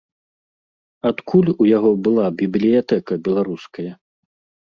Адкуль у яго была бібліятэка беларуская?